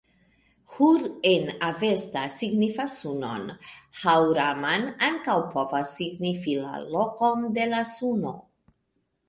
Hur en Avesta signifas sunon. Haŭraman ankaŭ povas signifi la lokon de la suno.